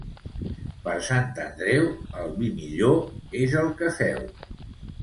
Per Sant Andreu, el vi millor és el que feu.